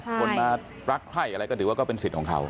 คนมารักใครอะไรก็ถือว่าก็เป็นสิทธิ์ของเขา